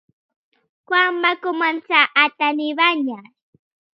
Quan comença a tenir banyes?